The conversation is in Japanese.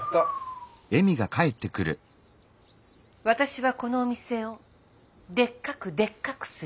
私はこのお店をでっかくでっかくする。